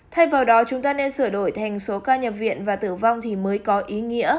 thay vào đó chúng ta nên sửa đổi thành số ca nhập viện và tử vong thì mới có ý nghĩa